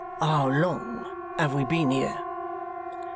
'How long have we been here?